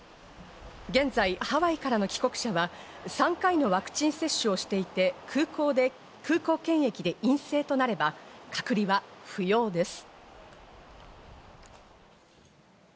現在ハワイからの帰国者は３回のワクチン接種をしていて、空港検疫で陰性となれば隔離は不要です。